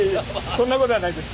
そんなことはないです。